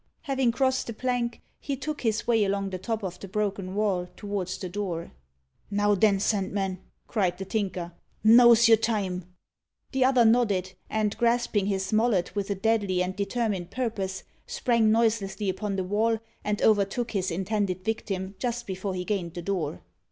Having crossed the plank, he took his way along the top of the broken wall towards the door. "Now, then, Sandman!" cried the Tinker; "now's your time!" The other nodded, and, grasping his mallet with a deadly and determined purpose, sprang noiselessly upon the wall, and overtook his intended victim just before he gained the door.